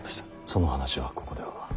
その話はここでは。